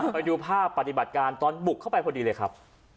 ไปดูภาพปฏิบัติการตอนบุกเข้าไปพอดีเลยครับ